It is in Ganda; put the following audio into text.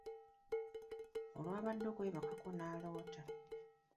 Olwabadde okwebakawo n'aloota.